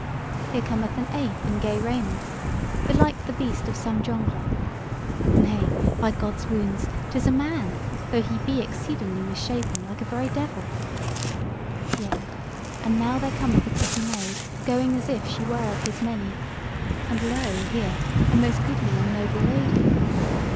here cometh an ape in gay raiment; belike the beast of some jongleur. Nay, by God's wounds! 'tis a man, though he be exceeding mis shapen like a very devil. Yea and now there cometh a pretty maid going as if she were of his meney; and lo! here, a most goodly and noble lady!